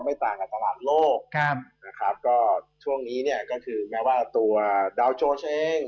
ต่างกับตลาดโลกครับนะครับก็ช่วงนี้เนี่ยก็คือแม้ว่าตัวดาวโจเอง